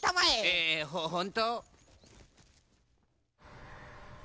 えほほんと？